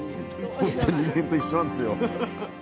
ほんと人間と一緒なんですよ。